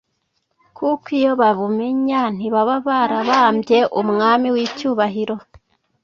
kuko iyo babumenya, ntibaba barabambye Umwami w’icyubahiro.